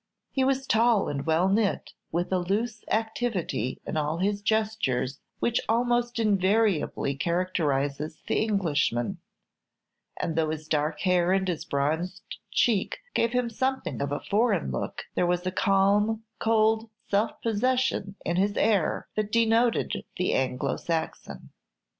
He was tall and well knit, with a loose activity in all his gestures which almost invariably characterizes the Englishman; and though his dark hair and his bronzed cheek gave him something of a foreign look, there was a calm, cold self possession in his air that denoted the Anglo Saxon.